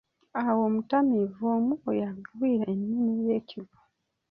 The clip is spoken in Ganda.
Awo omutamiivu omu we yagwira ennume y'ekigwo.